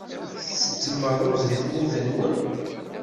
Tettettem rruẓ deg tmurt-nwen?